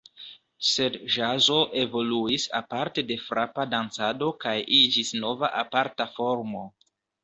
Sed ĵazo evoluis aparte de frapa dancado kaj iĝis nova aparta formo.